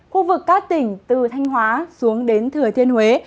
khu vực các tỉnh từ thanh hóa xuống đến thừa thiên huế